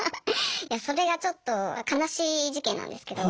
いやそれがちょっと悲しい事件なんですけど。